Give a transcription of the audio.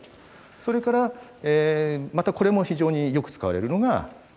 それからまたこれも非常によく使われるのがバーボン樽。